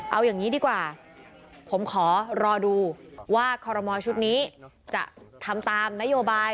เอาอย่างนี้ดีกว่าผมขอรอดูว่าคอรมอลชุดนี้จะทำตามนโยบาย